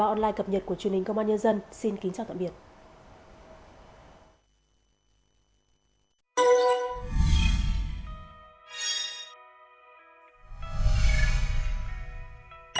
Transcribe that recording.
online cập nhật của chương trình công an nhân dân xin kính chào tạm biệt à à à ừ ừ ừ ừ ừ ừ ừ ừ